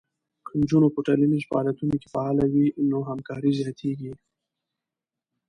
که نجونې په ټولنیزو فعالیتونو کې فعاله وي، نو همکاری زیاته کېږي.